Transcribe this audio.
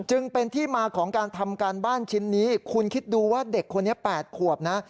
จึงเป็นที่มาของการทำการบ้านชิ้นนี้คุณคิดดูว่าเด็กคนนี้๘ขวบนะ